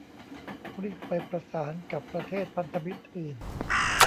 รีบไปประสานกับประเทศพันธมิตรอื่น